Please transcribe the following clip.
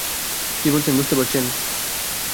কী বলছেন বুঝতে পারছেন?